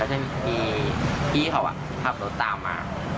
แล้วจะมีพี่เขาอ่ะขับรถตามมา